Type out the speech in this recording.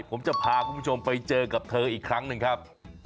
ผมจะพาคุณผู้ชมไปเจอกับเธออีกครั้งหนึ่งครับ